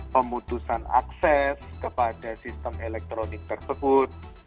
pemutusan akses kepada sistem elektronik tersebut